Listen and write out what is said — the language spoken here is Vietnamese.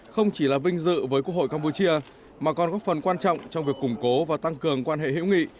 không chỉ là vinh dự với quốc hội campuchia mà còn góp phần quan trọng trong việc củng cố và tăng cường quan hệ hữu nghị